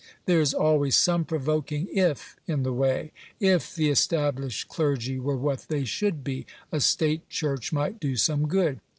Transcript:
There is always some provoking if in the way. If the established clergy were what they should be, a state church might do some good.